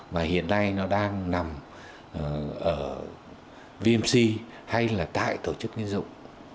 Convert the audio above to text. mà hiện nay nó đang nằm ở vmc hay là tại tổ chức nhân dụng